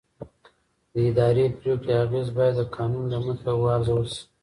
د اداري پرېکړې اغېز باید د قانون له مخې وارزول شي.